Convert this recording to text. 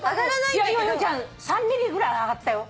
いや今由美ちゃん３ｍｍぐらい上がったよ。